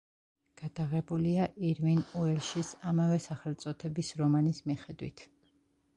გადაღებულია ირვინ უელშის ამავე სახელწოდების რომანის მიხედვით.